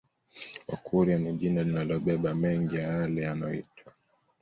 Wakurya ni jina linalobeba mengi ya yale yanaoyoitwa